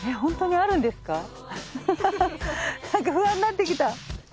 なんか不安になってきた。